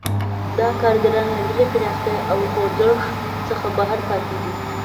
دا کارګران له ملي پراختیا او خوځښت څخه بهر پاتې دي.